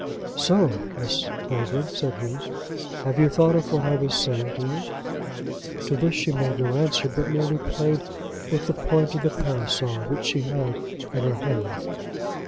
"Miss Clavering," said he, "have you thought of what I was saying to you?" To this she made no answer, but merely played with the point of the parasol which she held in her hand.